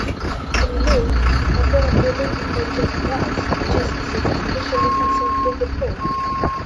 In Luke, apparently written for gentiles, Jesus is especially concerned with the poor.